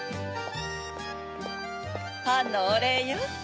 パンのおれいよ。